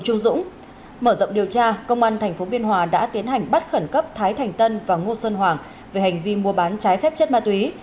cơ quan cảnh sát điều tra công an thành phố biên hòa đã tiến hành bắt khẩn cấp thái thành tân và ngô sơn hoàng về hành vi mua bán trái phép chất ma túy